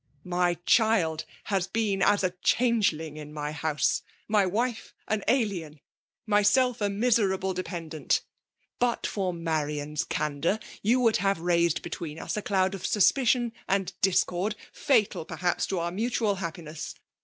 . My child has been as a changeling in my house, — my .wife an alien, — myself a miserable dependent .FBUAXiB IXBflKATIOH. 2S3 But' for Marian's candour, yqa would JtuMre ^ra^d between us a cloud of suspickm and discord, fatal perhaps to our mutual haj^uxai^.